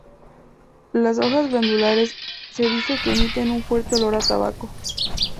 Las hojas glandulares se dice que emiten un fuerte olor a tabaco.